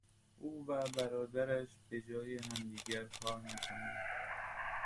او و برادرش به جای همدیگر کار میکنند.